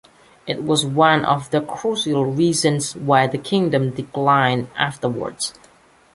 It was one of the crucial reasons why the kingdom declined afterward.